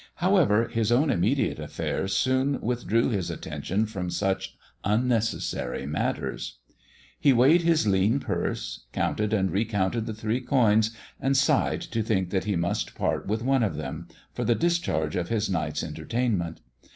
However, his own immediate affairs soon withdrew his attention from such unnecessary matters. He weighed his lean purse, counted and re counted the three coins, and sighed to think that he must part with one of them for the discharge of his night's entertain ment.